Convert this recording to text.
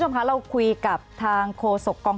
สวัสดีครับทุกคน